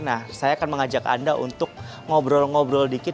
nah saya akan mengajak anda untuk ngobrol ngobrol dikit